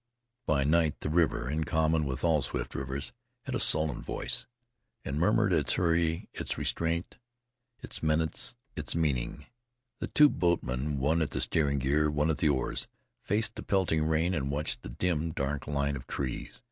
By night the river, in common with all swift rivers, had a sullen voice, and murmured its hurry, its restraint, its menace, its meaning. The two boat men, one at the steering gear, one at the oars, faced the pelting rain and watched the dim, dark line of trees.